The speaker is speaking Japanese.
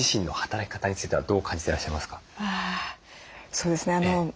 そうですね。